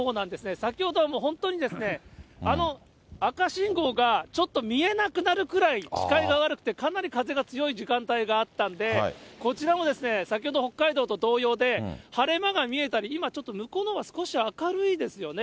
先ほどはもう本当に、あの赤信号がちょっと見えなくなるくらい視界が悪くて、かなり風が強い時間帯があったんで、こちらも先ほど北海道と同様で、晴れ間が見えたり、今ちょっと、向こうのほうが少し明るいですよね。